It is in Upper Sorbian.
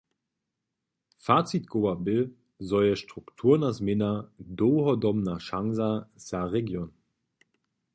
Facit koła bě, zo je strukturna změna dołhodobna šansa za region.